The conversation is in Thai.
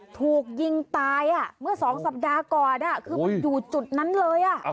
ถูกยิงตายเมื่อ๒สัปดาห์ก่อนคือมันอยู่จุดนั้นเลย